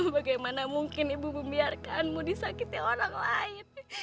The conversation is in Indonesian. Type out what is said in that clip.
bagaimana mungkin ibu membiarkanmu disakiti orang lain